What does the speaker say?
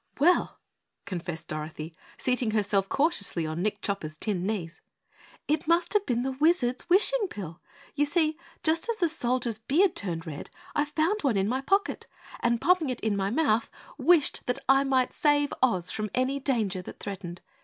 "Well," confessed Dorothy, seating herself cautiously on Nick Chopper's tin knees, "it must have been the Wizard's wishing pill. You see, just as the Soldier's beard turned red, I found one in my pocket, and popping it into my mouth, wished that I might save Oz from any danger that threatened.